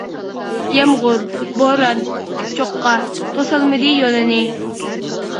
يامغۇر، بوران، تىك چوققا، توسالمىدى يولىنى.